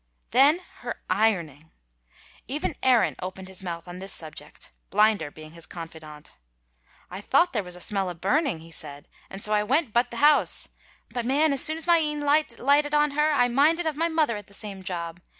Then her ironing! Even Aaron opened his mouth on this subject, Blinder being his confidant. "I thought there was a smell o' burning," he said, "and so I went butt the house; but man, as soon as my een lighted on her I minded of my mother at the same job.